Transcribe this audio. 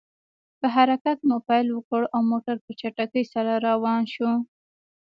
په حرکت مو پیل وکړ، او موټر په چټکۍ سره روان شو.